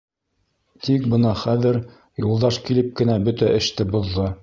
Тик бына хәҙер Юлдаш килеп кенә бөтә эште боҙҙо.